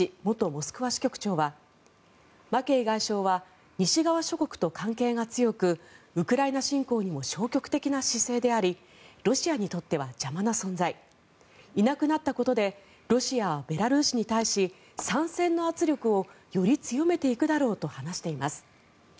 モスクワ支局長はマケイ外相は西側諸国と関係が強くウクライナ侵攻にも消極的な姿勢でありロシアにとっては邪魔な存在いなくなったことでロシアはベラルーシに対し参戦の圧力をより強めていくだろうと話しています。